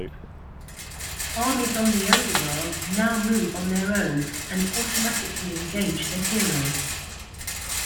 Armies on the overworld now move on their own and automatically engage the hero.